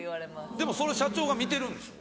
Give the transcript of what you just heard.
でもそれ社長が見てるんでしょ。